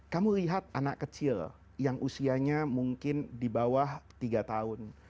kamu lihat anak kecil yang usianya mungkin di bawah tiga tahun